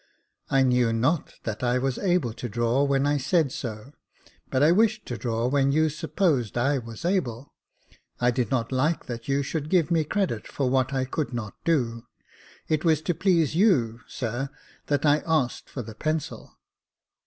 " I knew not that I was able to draw when I said so ; but I wished to draw when you supposed I was able — I did not like that you should give me credit for what I could not do. It was to please you, sir, that I asked for the pencil."